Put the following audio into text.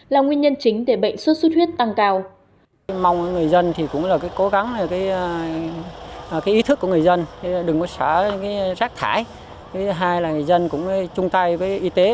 là nguyên nhân chính để bệnh sốt xuất huyết tăng cao